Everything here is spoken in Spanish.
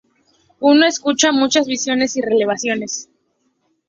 Uno escucha muchas visiones y revelaciones.